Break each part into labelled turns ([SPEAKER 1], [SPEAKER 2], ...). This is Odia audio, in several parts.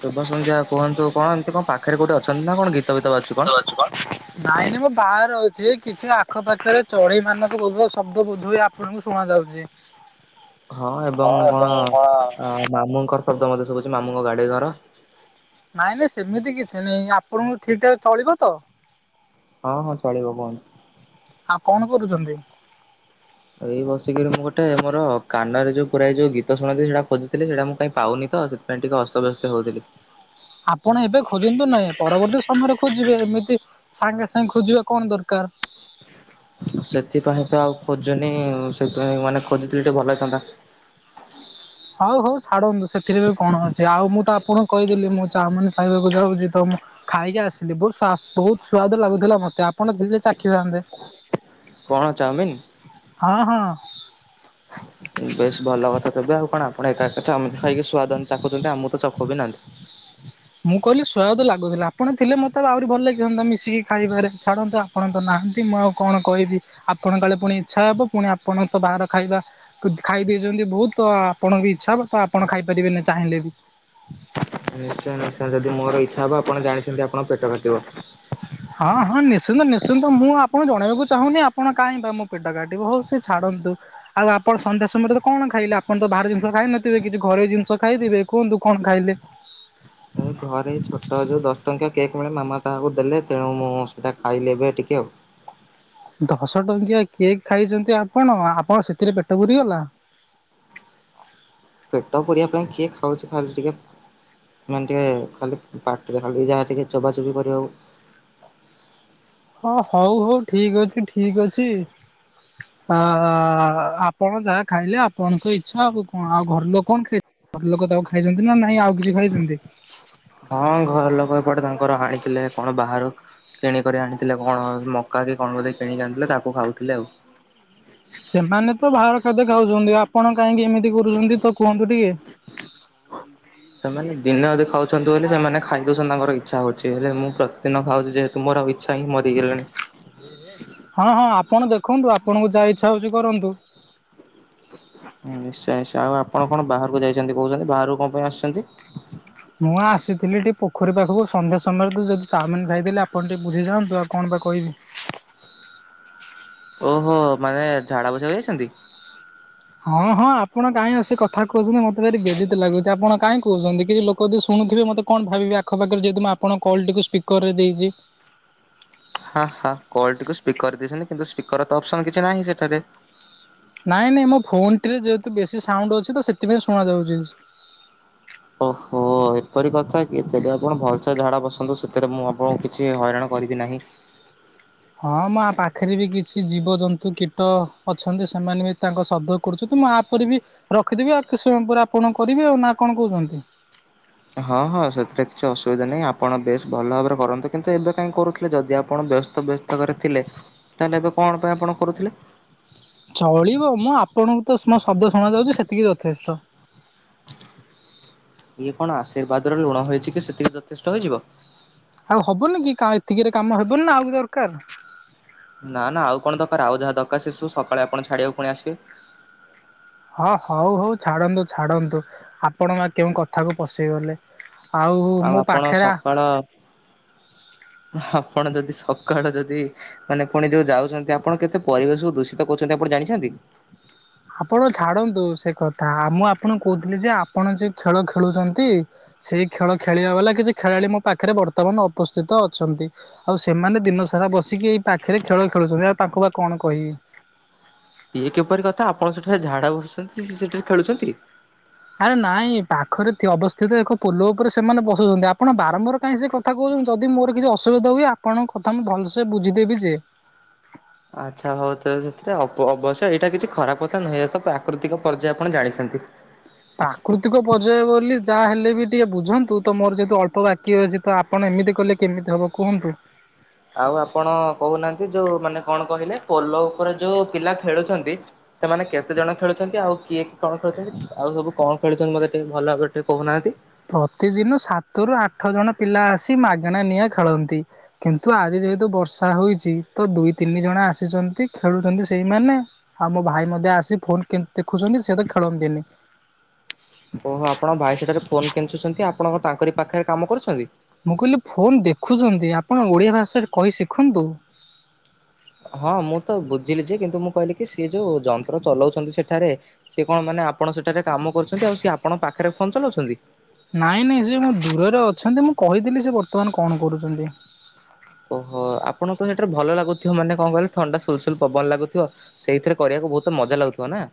[SPEAKER 1] ଶୁଭ ସନ୍ଧ୍ୟା। କୁହନ୍ତୁ କଣ ଏମିତି କଣ ପାଖରେ କୋଉଠି ଅଛନ୍ତି ନା କଣ ଗୀତ ଗୀତ ବାଜୁଛି କଣ?
[SPEAKER 2] ବାଏ। କାର ଅଛି। କିଛି ଆଖପାଖରେ ଚଢେଇ ମାନଙ୍କ ବଧ ଶବ୍ଦ ବୋଧ ଆପଣଙ୍କୁ ଶୁଣା ଯାଉଛି।
[SPEAKER 1] ହଁ ଏବଂ କଣ ମାମୁଁଙ୍କର ଶବ୍ଦ ମତେ ଶୁଭୁଛି। ମାମୁଁଙ୍କ ଗାଡି ଘର।
[SPEAKER 2] ନାଇଁ ନାଇଁ ସେମିତି କିଛି ନାଇଁ। ଆପଣଙ୍କୁ ଠିକ୍ ଠାକ୍ ଚଳିବ ତ।
[SPEAKER 1] ହଁ ହଁ ଚଳିବ କୁହନ୍ତୁ।
[SPEAKER 2] ଆଉ କଣ କରୁଛନ୍ତି?
[SPEAKER 1] ଏଇ ବସିକିରି ମୁଁ ଗୋଟେ ମୋର କାନରେ ଯୋଉ ପୁରାଏ ଯୋଉ ଗୀତ ଶୁଣନ୍ତି ସେଇଟା ଖୋଜୁଥିଲି ସେଇଟା ମୁଁ କାଇଁ ପାଉନି। ତ ସେଥିପାଇଁ ଟିକେ ଅସ୍ତବ୍ୟସ୍ତ ହଉଥିଲି।
[SPEAKER 2] ଆମର ଖୋଜିବେ ଏମିତି ସାଙ୍ଗେ ସାଙ୍ଗେ ଖୋଜିବା କଣ ଦରକାର।
[SPEAKER 1] ସେଥିପାଇଁ ତ ଆଉ ଖୋଜୁନି। ସେଥିପାଇଁ ମାନେ ଖୋଜଥିଲି ଟିକେ ଭଲ ହେଇଥାନ୍ତା।
[SPEAKER 2] ହଉ ହଉ ଛାଡନ୍ତୁ ସେଥିରେ ବି କଣ ଅଛି। ଆଉ ମୁଁ ତ ଆପଣ କହିଥିଲି ମୁଁ ଚାଉମିନ୍ ଖାଇବାକୁ ଯାଉଛି। ତ ମୁଁ ଖାଇକି ଆସିଲି ବହୁତ ବହୁତ ସୁଆଦ ଲାଗୁ ମତେ ଆପଣ ଥିଲେ ଚାଖିଥାନ୍ତେ।
[SPEAKER 1] କଣ ଚାଉମିନ୍?
[SPEAKER 2] ହଁ ହଁ।
[SPEAKER 1] ବେଶ୍ ଭଲ କଥା। କେବେ ଆଉ କଣ ଆପଣ ଏକା କେ ଖାଇକି ସୁଆଦ ଚାଖୁଛନ୍ତି। ଆମକୁ ତ ଚାଖୁ ଗୋବିନାଥ।
[SPEAKER 2] ମୁଁ କହିଲି ସୁଆଦ ଲାଗୁଥିଲା। ଆପଣ ଥିଲେ ମତେ ଆହୁରି ଭଲ ଲାଗି ଥାଆନ୍ତା ମିଶିକି ଖାଇବାରେ। ଛାଡନ୍ତୁ ଆପଣ ତ ନା ମୁଁ ଆଉ କଣ କହିବି। ଆପଣ କାଳେ ପୁଣି ଇଛା ହବ। ପୁଣି ଆପଣଙ୍କ ତ ବାହାର ଖାଇବା ଖାଇଦ ବହୁତ ଆପଣଙ୍କ ବି ଇଚ୍ଛା ତ ଆପଣ ଖାଇପାରିବେନି ଚାହିଁଲେ ବି।
[SPEAKER 1] ନିଶ୍ଚୟ ନିଶ୍ଚୟ ଯଦି ମୋର ଇଛା ହବ। ଆପଣ ଜାଣିଛନ୍ତି ଆପଣଙ୍କ ପେଟ କାଟିବ।
[SPEAKER 2] [inaudible] ହଁ ହଁ ନିଶ୍ଚିନ୍ତ ନିଶ୍ଚିନ୍ତ ମୁଁ ଆପଣ ଜଣେଇବାକୁ ଚାହୁଁନି। ଆପଣ କାହିଁ ବା ମୋ ପେଟ କାଟିବ ହଉ ସେ ଛାଡନ୍ତୁ। ଆଉ ଆପଣ ସନ୍ଧ୍ୟା ସମୟରେ ତ କଣ ଖାଇଲେ। ଆପଣ ତ ବାହାର ଜିନିଷ ଖାଇ ନଥିବେ। କିଛି ଘରେ ଜିନିଷ ଖାଇଥିବେ। କୁହନ୍ତୁ କ କଣ ଖାଇଲେ?
[SPEAKER 1] ଘରେ ଛୋଟ ଯୋଉ ଦଶ ଟଙ୍କିଆ କେକ୍ ମିଳେ। ମାମା ତାହାକୁ ଦେଲେ ତେଣୁ ମୁଁ ସେଇଟା ଖାଇଲେ ଏବେ ଟିକେ ଆଉ।
[SPEAKER 2] [inaudible] ଦଶ ଟଙ୍କିଆ କେକ୍ ଖାଇଛନ୍ତି ଆପଣ। ଆପଣ ସେଥିରେ ପେଟ ପୁରିଗଲା। [inaudible]
[SPEAKER 1] ଫେଟ ପୂରିବା ପାଇଁ କିଏ ଖାଉଛି କ ଇଲେ ଟିକେ। ସୋନେ ଟିକେ ଖାଲି ପାଟିରେ ଖାଲି ଯାହା ଟିକେ ଚୋବା ଚୋବି କରିବାକୁ।
[SPEAKER 2] ହଁ ହଉ ହଉ ଠିକ୍ ଅଛି ଠିକ୍ ଅଛି। ଅ ଆପଣ ଯାହା ଖାଇଲେ ଆପଣଙ୍କ ଇଛା ଆଉ। କଣ ଆଉ ଘର ଲୋକ କଣ ଖାଇ ଘର ଲୋକ ତାକୁ ଖାଇଛନ୍ତି ନା ନାଇଁ ଆଉ କିଛି ଖାଇଛନ୍ତି।
[SPEAKER 1] ସେପଟେ ତାଙ୍କର ଆଣିଥିଲେ କଣ ବାହାରୁ କିଣିକରି ଆଣିଥିଲେ କଣ ମକା କି କଣ ବୋଧେ। କିଣିକି ଆଣିଥିଲେ ତାକୁ ଖାଉଥିଲେ ଆଉ।
[SPEAKER 2] ସେମାନେ ତ ବାହାର ଖାଦ୍ୟ ଖାଉଛନ୍ତି। ଆପଣ କାହିଁକି ଏମିତି କରୁଛନ୍ତି ତ କୁହନ୍ତୁ ଟିକେ? ହଁ।
[SPEAKER 1] ସେମାନେ ଦିନେ ଅଧେ ଖାଉଛନ୍ତି ବୋଲି ସେମାନେ ଖାଇ ଦଉଛନ୍ତି ତାଙ୍କର ଇଛା ହଉଛି। ହେଲେ ମୁଁ ପ୍ରତିଦିନ ଖାଉଛି ଯେହେତୁ ମୋର ଇଚ୍ଛା ହିଁ ମରିଗଲାଣି।
[SPEAKER 2] ହଁ ହଁ ଆପଣ ଦେଖନ୍ତୁ ଆପଣଙ୍କୁ ଯାହା ଇଚ୍ଛା ହଉଛି କରନ୍ତୁ।
[SPEAKER 1] ନିଶ୍ଚୟ ନିଶ୍ଚୟ ଆଉ ଆପଣ କଣ ବାହାରକୁ ଯାଇଛନ୍ତି କହୁଛନ୍ତି? ବାହାରକୁ କଣ ପାଇଁ ଆସିଛନ୍ତି?
[SPEAKER 2] ମୁଁ ଆସିଥିଲି ଟିକେ ପୋଖରୀ ପାଖକୁ ସନ୍ଧ୍ୟା ସମୟରେ, ତୁ ଯଦି ଚାଉମିନ ଖାଇଥିଲି ଆପଣ ଟିକେ ବୁଝିଯାଆନ୍ତୁ ଆଉ କଣ? ବା କହିବି
[SPEAKER 1] ଓହୋ। ମାନେ ଝାଡା ବସିବାକୁ ଯାଇଛନ୍ତି?
[SPEAKER 2] ହଁ ହଁ। ଆପଣ କାହିଁ ଆ, ସେ କଥା କହୁଛନ୍ତି ମତେ ଭାରି ବେଜିିତି ଲାଗୁଛି। ଆପଣ କାହିଁ କହୁଛନ୍ତି। କି ଲୋକ ଯଦି ଶୁଥିବେ ମ ମୋତେ କଣ, ଭାବିବେ? ଆଖପାଖରେ ଯେହେତୁ ମୁଁ ଆପଣଙ୍କ କଲ୍ ଟିକୁ ସ୍ପିକରରେ ଦେଇଛି।
[SPEAKER 1] ହା, ହା। କଲ୍ ଟିକୁ ସ୍ପିକର ଦେଇଛନ୍ତି, କିନ୍ତୁ ସ୍ପିକର ତ ଅପସନ୍ କିଛି ନାହିଁ ସେଠାରେ।
[SPEAKER 2] ନାଇଁ ନାଇଁ। ମୋ ଫୋନ ଟିରେ, ଯେହେତୁ ବେଶୀ ସାଉଣ୍ଡ ଅଛି ତ, ସେଥିପାଇଁ ଶୁଣା ଯାଉଛି।
[SPEAKER 1] ଏତେ ବି ଆପଣ ଭଲସେ ଝାଡା ବସନ୍ତୁ। ସେଥିରେ ମୁଁ ଆପଣଙ୍କୁ କିଛି ହଇରାଣ କରିବି ନାହିଁ।
[SPEAKER 2] ହଁ ମ ପାଖରେ ବି କିଛି ଜୀବଜନ୍ତୁ, କୀଟ ଅଛନ୍ତି। ସେମାନେ ବି ତାଙ୍କ ଶବ୍ଦ କରୁଛନ୍ତିୁ। ମୁଁ ଆ ପରେ ବି ରଖିଦେବି। ଆଉ କି ସମୟ ପରେ ଆପଣ କରି ବେ ଆଉ, ନା କଣ କହୁଛନ୍ତି?
[SPEAKER 1] ହଁ ହଁ। ସେଥିରେ କିଛି ଅସୁବିଧା ନାହିଁ। ଆପଣ ବେଶ ଭଲ ଭାବରେ କରନ୍ତୁ। କିନ୍ତୁ ଏବେ କାଇହିଁ କରୁଥିଲେ, ଯଦି ଆପଣ ବ୍ୟସ୍ତ ବ୍ୟସ୍ତ କରେ ଥିଲେ। ତାହେଲେ ଏବେ କଣ, ପାଇଁ ଆପଣ କରୁଥିଲେ?
[SPEAKER 2] ଚଳିବ ମ, ଆପଣଙ୍କୁ ତ ମୋ ଶବ୍ଦ ଶୁଣା ଯାଉଛି, ସେତିକି ଯଥେଷ୍ଟ। [inaudible]
[SPEAKER 1] ଇଏ କଣ, ଆଶୀର୍ବାଦ ର ରୁଣ ହେଇଛି କି ସେତିକିରେ ଯଥେଷ୍ଟ ହେଇଯିବ?
[SPEAKER 2] ଆଉ ହବନି କି କଣ ଏତିକିରେ କାମ ହବନି ନା ଆଉ ଦରକାର?
[SPEAKER 1] ନା, ନା ଆଉ କଣ ଦରକାର? ଆଉ ଯାହା ଦରକାର ସେସବୁ ସକାଳେ ଆପଣ ଛାଡିବାକୁ ପୁଣି ଆସିବେ।
[SPEAKER 2] ହଁ। ହଉ, ହଉ ଛାଡନ୍ତୁ ଛାଡନ୍ତୁ, ଆପଣ ବା କେଉଁ କଥାକୁ ପଶେଇଗଲେ। ଆଉ ମୋ
[SPEAKER 1] ଆପଣ
[SPEAKER 2] ପାଖରେ
[SPEAKER 1] ସକାଳ ଆପଣ ଯଦି ସକାଳୁ ଯଦି ମାନେ ପୁଣି ଯୋଉ ଯାଉଛନ୍ତି ଆପଣ କେତେ ପରିବେଶକୁ ଦୂଷିତ କହୁଛନ୍ତି ଆପଣ ଜାଣିଛନ୍ତି?
[SPEAKER 2] ହ ଆପଣ ଛାଡନ୍ତୁ ସେ କଥା, ଆଉ ମୁଁ ଆପଣଙ୍କୁ କହୁଥିଲି ଯେ, ଆପଣ ଯୋଉ ଖେଳ ଖେଳୁଛନ୍ତି। ସେଇ ଖେଳ ଖେଳିବା ବାଲା, କିଛି ଖେଳାଳି ମୋ ପାଖରେ ବର୍ତ୍ତମାନ ଉପସ୍ଥିତ ଅଛନ୍ତି। ଆଉ ସେମାନେ ଦିନ ସା ହେରା ବସିକି ଏଇ ପାଖରେ ଖେଳ ଖେଳୁଛନ୍ତି। ଆଉ ତାଙ୍କୁ ବା କଣ, କହିବି।
[SPEAKER 1] ତ ଆପଣ ସେଠାରେ ଝାଡ଼ା ବସୁଛନ୍ତି? ସେ ସେଠାରେ ଖେଳୁଛନ୍ତି?
[SPEAKER 2] ଆରେ ନାଇଁ ପାଖରେ, ଥି-ଅବସ୍ଥିତ ଏକ ପୋଲ ଉପରେ ସେମାନେ ବସୂଛନ୍ତି। ଆପଣ ବାରମ୍ବାର କାହିଁ ସେ କଥା କହୁଛନ୍ତି। ଯଦି ମୋର କିଛି ଅସୁବିଧା ହୁଏ, ଆପଣଙ୍କ କଥା ମୁଁ ଭଲସେ ବୁଝିଦେବି ଯେ।
[SPEAKER 1] ଆଚ୍ଛା ହଉ ତ ସେଥିରେ ହବ। ଅବଶ୍ୟ ଏଇଟା କିଛି ଖରାପ କଥା ନୁହେଁ। ତ ପ୍ରାକୃତିକ ପର୍ଯ୍ୟାୟ ଆପଣ ଜାଣିଛନ୍ତି। ତି
[SPEAKER 2] ପ୍ରାକୃତିକ ପର୍ଯ୍ୟାୟ ବୋଲି, ଯାହା ହେଲେ ବି ଟିକେ ବୁଝନ୍ତୁ। ତ ମୋର ଯେହେତୁ ଅଳ୍ପ ବାକି ଅଛି ତ ଆପଣ ଏମିତି କଲେ କେମିତି ହବ କୁହନ୍ତୁ?
[SPEAKER 1] ଆଉ ଆପଣ କହୁନାହାନ୍ତି? ଯୋଉ ମାନେ କଣ କହିଲେ ପୋଲ ଉପରେ ଯୋଉ ପିଲା ଖେଳୁଛନ୍ତି ସେମାନେ କେତେ ଜଣ ଖେଳୁଛନ୍ତି? ଆଉ କିଏ କଣ ଖେୁଛନ୍ତି? ଆଉ ସବୁ କଣ ଖେଳୁଛନ୍ତି? ମତେ ଟିକେ ଭଲ ଭାବରେ ଟିକେ କହୁନାହାନ୍ତି?
[SPEAKER 2] ପ୍ରତିଦିନ ସାତରୁୁ ଆଠ ଜଣ ପିଲା ଆସି, ମାଗଣା ନିଆଁ ଖେଳନ୍ତି। କିନ୍ତୁ ଆଜି ଯେହେତୁ ବର୍ଷା ହୋଇଛି, ତ ଦୁଇ ତିନି ଜଣ ଆସିଛନ୍ତି ଖେଳୁଛନ୍ତି, ସେଇମାନେ ଆଉ ମୋ ଭାଇ ମଧ୍ୟ। ସେ ଆସି ଫୋନ କେ- ଦେଖୁଛନ୍ତି, ସେ ତ ଖେଳନ୍ତିନି।
[SPEAKER 1] ଓହୋ ଆପଣ ଭାଇ ସେଠାରେ ଫୋନ କେଞ୍ଚୁଛନ୍ତି। ଆପଣ ତାଙ୍କରି ପାଖରେ କାମ କରୁଛନ୍ତି?
[SPEAKER 2] ମୁଁ କହିଲି ଫୋନ୍ ଦେଖୁଛନ୍ତି। ଆପଣ ଓଡ଼ିଆ ଭାଷାରେ କହି ଶିଖନ୍ତୁ।
[SPEAKER 1] ହଁ ମୁଁ ତ ବୁଝିଲି ଯେ, କିନ୍ତୁ ମୁଁ କହିଲି କି ସେ ଯୋଉ ଯନ୍ତ୍ର ଚଲାଉଛନ୍ତି ସେଠାରେ, ସିଏ କଣ ମାନେ ନା ଆପଣ ସେଠାରେ କାମ କରୁଛନ୍ତି। ଆଉ ସିଏ ଆପଣଙ୍କ ପାଖରେ ଫୋନ ଚଲାଉଛନ୍ତି।
[SPEAKER 2] ନାଇଁ ନାଇଁ, ସେ ମୋ ଦୂରରେ ଅଛନ୍ତି। ମୁଁ କହିଥିଲି ସେ ବର୍ତ୍ତମାନ କଣ କରୁଛନ୍ତି?
[SPEAKER 1] ଓହୋ। ଆପଣ ତ ସେଟାରେ, ଭଲ ଲାଗୁଥିବ ମାନେ କଣ କହିଲେ, ଥଣ୍ଡା ସୁଲସୁଲ ପବନ ଲାଗୁଥିବ। ସେଇଥିରେ କରିବାକୁ ବହୁତ ମଜା ଲାଗୁଥିବ ନା?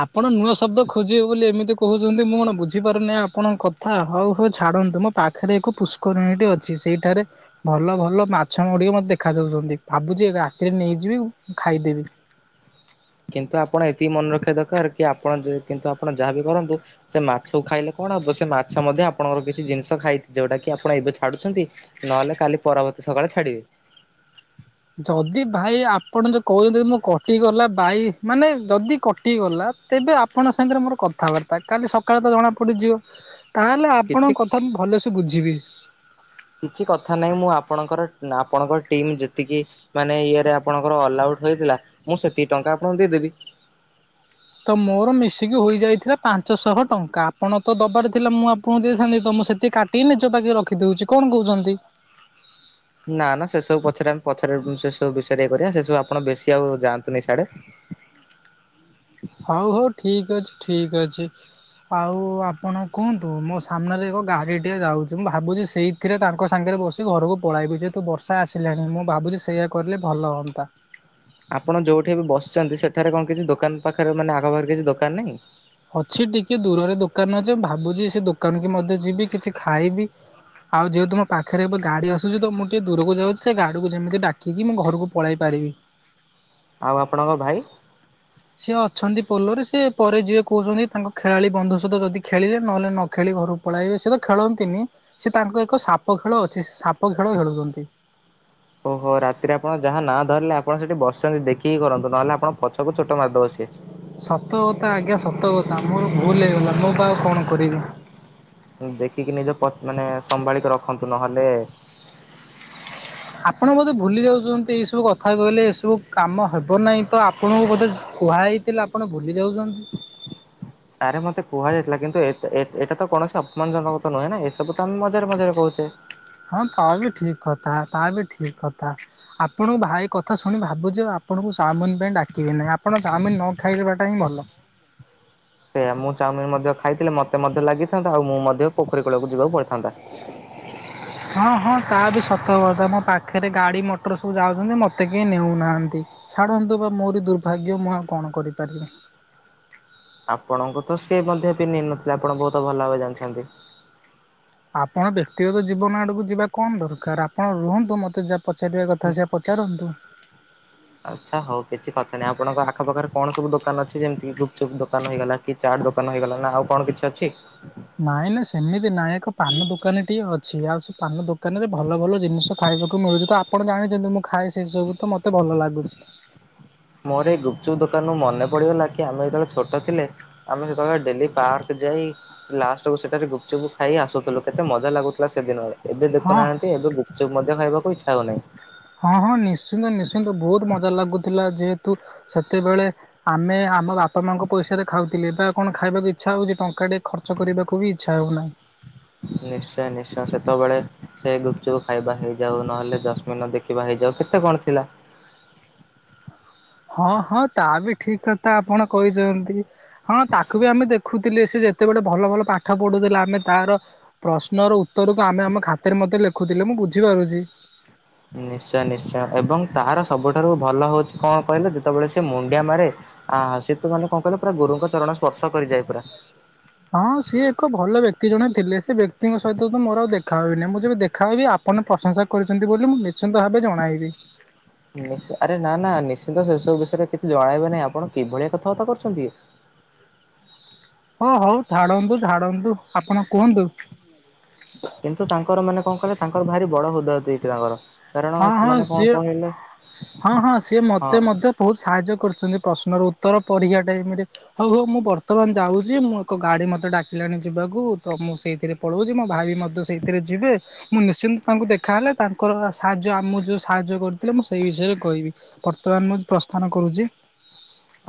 [SPEAKER 2] ଆପଣ ନୂଆ ଶବ୍ଦ ଖୋଜିବେ ବୋଲି ଏମିତି କହୁଛନ୍ତି। ମୁଁ କଣ ବୁଝିପାରୁନି ଆପଣଙ୍କ କଥା। ହଉ, ହଉ ଛା ଛାଡ଼ନ୍ତୁ। ମୋ ପାଖରେ ଏକ ପୁଷ୍କରିଣୀଟି ଅଛି। ସେଇଠାରେ ଭଲ, ଭଲ ମାଛ ଗୁଡିିକ ମତେ ଦେଖାାଯଉଛନ୍ତି। ଭାବୁଛି ରାତିରେ ନେଇଯିବି, ଖାଇଦେବି।
[SPEAKER 1] କିନ୍ତୁ ଆପଣ ଏତିକି ମନେ ରଖିବା ଦରକାର, କି ଆପଣ ଯା-କିନ୍ତୁ ଆପଣ ଯାହାବି କରନ୍ତୁ, ସେ ମାଛକୁ ଖାଇଲେ କଣ ହବ? ସେ ମାଛ ମଧ୍ୟ ଆପଣଙ୍କର କିଛି ଜିନିଷ ଖାଇଛି? ଯୋଉଟା କି ଆପଣ ଏବେ ଛାଡୁଛନ୍ତି। ନହେଲେ କାଲି ପରବର୍ତ୍ତୀ ସକାଳେ ଛାଡ଼ିବେ?
[SPEAKER 2] ଯଦି ଭାଇ ଆପଣ ଯୋଉ କହୁଛନ୍ତି ମୁଁ କଟିଗଲା ବାଇ ମାନେ ଯଦି କଟି ଗଲା ତେବେ ଆପଣଙ୍କ ସାଙ୍ଗରେ ମୋର କଥାବାର୍ତ୍ତା କାଲି ସକାଳେ ତ ଜଣାପଡ଼ିଯିବ। ତାହେଲେ
[SPEAKER 1] କିଛି
[SPEAKER 2] ଆପଣଙ୍କ କଥା ମୁଁ ଭଲସେ ବୁଝିବି।
[SPEAKER 1] କିଛି କଥା ନାହିଁ ମୁଁ ଆପଣଙ୍କର ଆପଣଙ୍କ ଟିମ୍ ଯେତିକି ମାନେ ଇଏରେ ଆପଣଙ୍କର ଅଲଉ ଉଟ ହେଇଥିଲା ମୁଁ ସେତିକି ଟଙ୍କା ଆପଣଙ୍କୁ ଦେଇଦେବି।
[SPEAKER 2] ତ ମୋର ମିଶିକି ହୋଇଯାଇଥିଲା ପାଞ୍ଚଶହ ଟଙ୍କା ଆପଣ ତ ଦବାର ଥିଲା ମୁଁ ଆପଣଙ୍କୁ ଦେଇଥାନ୍ତି ତମ ମୁଁ ସେତିକି କାଟିି ନିଜ ପାଖ ରଖିଦଉଛି କଣ କହୁଛନ୍ତି?
[SPEAKER 1] ସବୁ ପଛରେ ଆମେ ପଛରେ ସେ ସବୁ ବିଷୟରେ ଇ କରିବା ସେ ସବୁ ଆପଣ ବେଶୀ ଆଉ ଯାଆନ୍ତୁନି ସିଆଡ଼େ।
[SPEAKER 2] ହଉ ହଉ ଠିକ ଅଛି ଠିକ ଅଛି। ଆଉ ଆପଣ କୁହନ୍ତୁ ମୋ ସାମ୍ନାରେ ଏକ ଗାଡ଼ି ଟିଏ ଯାଉଛି ମୁଁ ଭାବୁଛି ସେଇଥିରେ ତାଙ୍କ ସାଙ୍ଗରେ ବସି ଘରକୁ ପଳାଇବି ଯେହେତୁ ବର୍ଷା ଆସିଲାଣି ମୁଁ ଭାବୁଛି ସେଇଆ କଲେ ଭଲ ହୁଅନ୍ତା।
[SPEAKER 1] ଆପଣ ଯୋଉଠି ଏବେ ବସିଛନ୍ତି ସେଠାରେ କଣ କିଛି ଦୋକାନ ପାଖରେ ମାନେ ଆଗ ପାଖରେ କିଛି ଦୋକାନ ନାହିଁ।
[SPEAKER 2] ଅଛି ଟିକେ ଦୂରରେ ଦୋକାନ ଅଛି ମୁଁ ଭାବୁଛି ସେ ଦୋକାନ କି ମଧ୍ୟ ଯିବି କିଛି ଖାଇବି। ଆଉ ଯେହେତୁ ମୋ ପାଖରେ ଏବେ ଗାଡ଼ି ଆସୁଛି ତ ମୁଁ ଟିକେ ଦୂରକୁ ଯାଉଛି ସେ ଗାଡ଼ିକୁ ଯେମିତି ଡାକିକି ମୁଁ ଘରକୁ ପଳେଇ ପାରିବି।
[SPEAKER 1] ଆଉ ଆପଣଙ୍କ ଭାଇ।
[SPEAKER 2] ସିଏ ଅଛନ୍ତି ପୋଲରେ ସିଏ ପରେ ଯିଏ କହୁଛନ୍ତି ତାଙ୍କ ଖେଳାଳି ବନ୍ଧୁ ସହିତ ଯଦି ଖେଳିଲେ ନହେଲେ ନ ଖେଳି ଘରକୁ ପଳାଇବେ ସେ ତ ଖେଳନ୍ତିନି ସେ ତାଙ୍କ ଏକ ସାପ ଖେଳ ଅଛି ସାପ ଖେଳ ଖେଳୁଛନ୍ତି।
[SPEAKER 1] ଓହୋ ରାତିରେ ଆପଣ ଯାହା ନା ଧରିଲେ ଆପଣ ସେଠି ବସଛନ୍ତି ଦେଖିକି କରନ୍ତୁ ନହେଲେ ଆପଣ ପଛକୁ ଛୋଟ ମାରିଦବ ସିଏ।
[SPEAKER 2] ସତ କଥା ଆଜ୍ଞା ସତ କଥା ମୋର ଭୁଲ ହେଇଗଲା ମୁଁ ବା ଆଉ କଣ କରିବି?
[SPEAKER 1] ଦେଖିକି ନିଜ ପ ମାନେ ସମ୍ଭାଳିକି ରଖନ୍ତୁ ନହେଲେ
[SPEAKER 2] ଆପଣ ବୋଧେ ଭୁଲି ଯାଉଛନ୍ତି ଏଇ ସବୁ କଥା କହିଲେ ଏସବୁ କାମ ହେବ ନାହିଁ ତ ଆପଣଙ୍କୁ ବୋଧେ କୁହା ହେଇଥିଲା ଆପଣ ଭୁ
[SPEAKER 1] ଆରେ ମତେ କୁହାଯାଇ ଥିଲା କିନ୍ତୁ ଏ ଏଟା ତ କୌଣସି ଅପମାନ ଜନକ ତ ନୁହେଁ ନା ଏସବୁ ତ ଆମେ ମଜାରେ ମଜାରେ କହୁଛେ।
[SPEAKER 2] ହଁ ତା ବି ଠିକ କଥା ତା ବି ଠିକ କଥା। ଆପଣଙ୍କ ଭାଇ କଥା ଶୁଣି ଭାବୁଛି ଆପଣଙ୍କୁ ଚାଉମିନ ପାଇଁ ଡ଼ାକିବି ନାଇଁ ଆପଣ ଚାଉମିନ ନ ଖାଇ ଦେବାଟା ହିଁ ଭ ଭଲ।
[SPEAKER 1] ସେଇୟା ମୁଁ ଚାଉମିନ ମଧ୍ୟ ଖାଇଥିଲେ ମୋତେ ମଧ୍ୟ ଲାଗିଥାନ୍ତା ଆଉ ମୁଁ ମଧ୍ୟ ପୋଖରୀ କୂଳକୁ ଯିବାକୁ ପଡ଼ିଥାନ୍ତା।
[SPEAKER 2] ହଁ ହଁ ତା ବି ସତ କଥା ମୋ ପାଖରେ ଗାଡ଼ି ମଟର ସବୁ ଯାଉଛନ୍ତି ମୋତେ କେହି ନେଉନାହାଁନ୍ତି। ଛାଡ଼ନ୍ତୁ ବା ମୋରି ଦୁର୍ଭାଗ୍ୟ ମୁଁ ଆଉ କଣ କରିପାରିବି?
[SPEAKER 1] ଆପଣଙ୍କୁ ତ ସେ ମଧ୍ୟ ପି ନେଇ ନଥିଲେ ଆପଣ ବହୁତ ଭଲ ଭାବେ ଜାଣିଛନ୍ତି।
[SPEAKER 2] ଆପଣ ବ୍ୟକ୍ତିଗତ ଜୀବନ ଆଡ଼କୁ ଯିବା କଣ ଦରକାର ଆପଣ ରୁହନ୍ତୁ ମତେ ଯା ପ ସେଇଠିକା କଥା ସେ ପଚାରନ୍ତୁ।
[SPEAKER 1] ଆଚ୍ଛା ହଉ କିଛି କଥା ନାହିଁ ଆପଣଙ୍କ ଆଖ ପାାଖରେ କଣ ସବୁ ଦୋକାନ ଅଛି ଯେମିତି ଗୁପଚୁପ୍ ଦୋକାନ ହେଇଗଲା। କି ଚାଟ ଦୋକାନ ହେଇଗଲା ନା ଆଉ କଣ କିଛି ଅଛି?
[SPEAKER 2] ନାଇଁ ନା ସେମିତି ନାଇଁ ଏକ ପାନ ଦୋକାନଟିଏ ଅଛି ଆଉ ସେ ପାନ ଦୋକାନ ରେ ଭଲ ଭଲ ଜିନିଷ ଖାଇବାକୁ ମିଳୁଛି ତ ଆପଣ ଜାଣିଛନ୍ତି ମୁଁ ଖାଏ ସେ ସବୁ ତ ମୋତେ ଭଲ ଭଲ ଲାଗୁଛି।
[SPEAKER 1] ମୋର ଏଇ ଗୁପଚୁପ ଦୋକାନରୁ ମନେ ପଡ଼ିଗଲା କି ଆମେ ଯେତେବେଳେ ଛୋଟ ଥିଲେ ଆମେଯେତେବେଳେ ଡ଼େଲି ପାର୍କ ଯାଇ ଲାଷ୍ଟକୁ ସେଠାରେ ଗୁପଚୁପ୍ ଖାଇ ଆସୁଥିଲୁ କେତେ ମଜା ଲାଗୁଥିଲା ସେଦିନରେ। ଏବେ
[SPEAKER 2] ହଁ
[SPEAKER 1] ଦେଖୁନାହାନ୍ତି ଏବେ ଗୁପଚୁପ ମଧ୍ୟ ଖାଇବାକୁ ଇଚ୍ଛା ହଉନାହିଁ।
[SPEAKER 2] ହଁ ହଁ ନିଶ୍ଚିନ୍ତ କି ତୁ ସେତେବେଳେ ଆମେ ଆମ ବାପା ମାଆଙ୍କ ପଇସାରେ ଖାଉଥିଲେ ବା କଣ ଖାଇବାକୁ ଇଚ୍ଛା ହଉଛି ଟଙ୍କା ଟିକେ ଖର୍ଚ୍ଚ କରିବାକୁ ବି ଇଚ୍ଛା ହଉନାହିଁ।
[SPEAKER 1] ନିଶ୍ଚୟ ନିଶ୍ଚୟ ସେତେବେଳେ ସେ ଗୁପଚୁପ ଖାଇବା ହେଇଯାଉ ନହେଲେ ଜସ୍ମିନ ଦେଖିବା ହେଇଯାଉ କେତେ କଣ ଥିଲା?
[SPEAKER 2] ହଁ ହଁ ତା ବି ଠିକ କଥା ଆପଣ କହିଛନ୍ତି। ହଁ ତାକୁ ବି ଆମେ ଦେଖୁଥିଲେ ସେ ଯେ ସେ ଗୋଟେ ଭଲ ଭଲ ପାଠ ପଢୁଥିଲା ଆମେ ତାର ପ୍ରଶ୍ନର ଉତ୍ତରକୁ ଆମେ ଆମ ଖାତରେ ମତେ ଲେଖୁଥିଲେ ମୁଁ ବୁଝିପାରୁଚି।
[SPEAKER 1] ନିଶ୍ଚୟ ନିଶ୍ଚୟ ଏବଂ ତାହାର ସବୁଠାରୁ ଭଲ ହଉଛି କଣ କହିଲ ଯେତେବେଳେ ସେ ମୁଣ୍ଡିଆ ମାରେ ଆ ସେ ତୁ ମାନେ କଣ କହିଲ ପୁରା ଗୁରୁଙ୍କ ଚରଣ ସ୍ପର୍ଶ କରିଯାଏ ପୁରା।
[SPEAKER 2] ହଁ ସିଏ ଏକ ଭଲ ବ୍ୟକ୍ତି ଜଣେ ଥିଲେ ସେ ବ୍ୟକ୍ତିଙ୍କ ସହିତ ତ ମୋର ଆଉ ଦେଖାହବିନାହିଁ ମୁଁ ଯେବେ ଦେଖା ହେବି ଆ ଆପଣ ପ୍ରଶଂସା କରିଚନ୍ତି ବୋଲି ମୁଁ ନିଶ୍ଚିନ୍ତ ଭାବେ ଜଣାଇବି।
[SPEAKER 1] ନିଶ୍ ଆରେ ନା ନା ନିଶ୍ଚିନ୍ତ ସେସବୁ ବିଷୟରେ କିଛି ଜଣାଇବେ ନାହିଁ ଆପଣ କିଭଳିଆ କଥାବାର୍ତ୍ତା କରୁଛନ୍ତି।
[SPEAKER 2] ହଁ ହଉ ଛାଡ଼ନ୍ତୁ ଛାଡ଼ନ୍ତୁ ଆପଣ କୁହନ୍ତୁ।
[SPEAKER 1] କିନ୍ତୁ ତାଙ୍କର ମାନେ କଣ କହିଲ ତାଙ୍କର ଭାରି ବଡ ହୃଦୟ ଦେଇଛି ତାଙ୍କର। କାରଣ
[SPEAKER 2] ହଁ ହଁ
[SPEAKER 1] ମାନେ କଣ
[SPEAKER 2] ସିଏ
[SPEAKER 1] କହିଲେ
[SPEAKER 2] ହଁ ହଁ ସିଏ
[SPEAKER 1] ହଁ
[SPEAKER 2] ମତେ ମତେ ବହୁତ ସାହାଯ୍ୟ କରିଚନ୍ତି। ପ୍ରଶ୍ନର ଉତ୍ତର ପରୀକ୍ଷା ଟାଇମ୍ ରେ ହଉ ହଉ ମୁଁ ବର୍ତ୍ତମାନ ଯାଉଛି ମୁଁ ଏକ ଗାଡି ମତେ ଡାକିଲାଣି ଯିବା କୁ ତ ମୁଁ ସେଇଥିରେ ପଳଉଚି ମୋ ଭାଇି ମଧ୍ୟ ସେଇଥିରେ ଯିବେ ମୁଁ ନିଶ୍ଚିନ୍ତ ତାଙ୍କୁ ଦେଖାହଲେ ତାଙ୍କର ସାହାଯ୍ୟ ଆମ କୁ ଯୋଉ ସାହାଯ୍ୟ କରୁଥିଲେ ମୁଁ ସେଇ ବିଷୟରେ କହିବି ବର୍ତ୍ତମାନ ମୁଁ ପ୍ରସ୍ଥାନ କରୁଚି।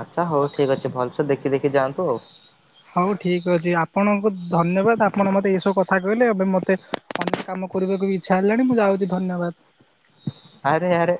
[SPEAKER 1] ଆଚ୍ଛା ହଉ ଠିକ୍ ଅଛି ଭଲସେ ଦେଖି ଦେଖି ଯାଆନ୍ତୁ ଆଉ।
[SPEAKER 2] ହଉ ଠିକ୍ ଅଛି ଆପଣଙ୍କୁ ଧନ୍ୟବାଦ ଆପଣ ମତେ ଏଇସବୁ କଥା କହିଲେ ଏବେ ମତେ କାମ କରିବାକୁ ବି ଇଚ୍ଛା ହେଲାଣି ମୁଁ ଯାଉଛି ଧନ୍ୟବାଦ।
[SPEAKER 1] ଆରେ ଆରେ